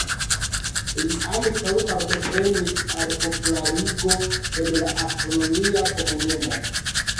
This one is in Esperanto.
Li ankaŭ partoprenis al popularigo en la astronomia komunumo.